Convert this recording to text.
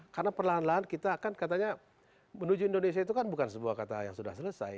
karena perlahan lahan kita akan katanya menuju indonesia itu kan bukan sebuah kata yang sudah selesai